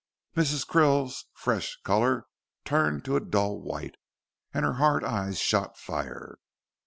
Mrs. Krill's fresh color turned to a dull white, and her hard eyes shot fire.